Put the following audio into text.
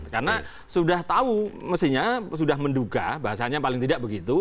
karena sudah tahu mestinya sudah menduga bahasanya paling tidak begitu